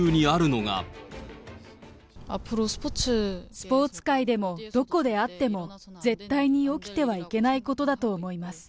スポーツ界でも、どこであっても、絶対に起きてはいけないことだと思います。